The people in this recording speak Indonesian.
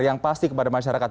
yang pasti kepada masyarakat